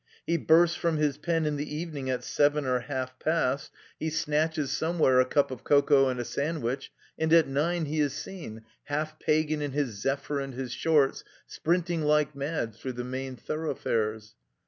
He bursts from his pen in the evening at seven or half past, he snatches somewhere a cup of cocoa and a sandwich, and at nine he is seen, half pagan in his " zephyr '* and his " shorts," sprinting like mad through the main thoroughfares.